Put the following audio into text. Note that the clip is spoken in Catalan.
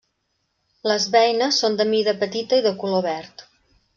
Les beines són de mida petita i de color verd.